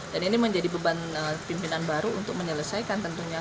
dan ini menjadi beban pimpinan baru untuk menyelesaikan tentunya